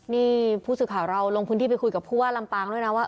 นี่ผู้สื่อข่าวเราลงพื้นที่ไปคุยกับผู้ว่าลำปางด้วยนะว่า